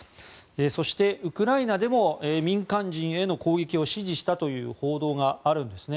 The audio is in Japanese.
そして、ウクライナでも民間人への攻撃を指示したという報道があるんです。